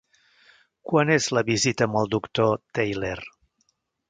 Quan és la visita amb el doctor Theiler?